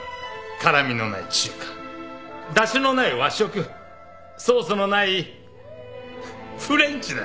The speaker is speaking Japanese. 辛みのない中華だしのない和食ソースのないフレンチだ。